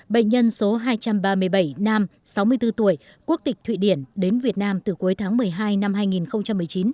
bệnh nhân số hai trăm ba mươi bảy nam sáu mươi bốn tuổi quốc tịch thụy điển đến việt nam từ cuối tháng một mươi hai năm hai nghìn một mươi chín